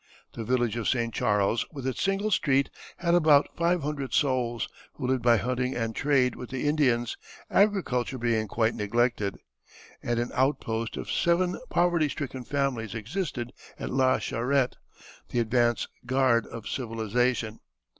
The village of St. Charles, with its single street, had about five hundred souls, who lived by hunting and trade with the Indians, agriculture being quite neglected; and an outpost of seven poverty stricken families existed at La Charrette, the advance guard of civilization.